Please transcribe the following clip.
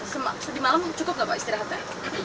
sudah di malam sudah cukup gak pak istirahatnya